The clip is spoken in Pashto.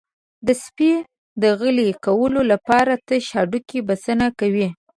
د سپي د غلي کولو لپاره تش هډوکی بسنه کوي.